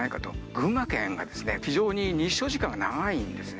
群馬県は非常に日照時間が長いんですね。